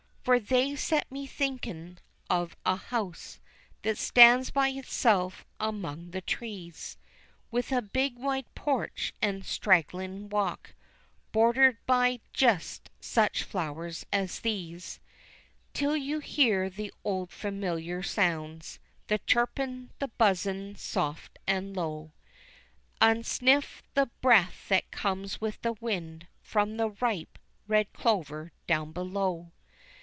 For they set me thinkin' of a house, That stands by itself among the trees, With a big wide porch, an' stragglin' walk Bordered by jest such flowers as these, Till you hear the old familiar sounds, The chirpin', the buzzin' soft an' low, An' sniff the breath that comes with the wind From the ripe, red clover down below.